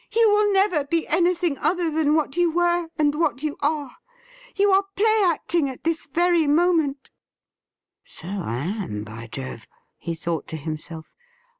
' You will never be anything other than what you were and what you are. You are play acting at this very moment ''' So I am, by Jove !' he thought to himself.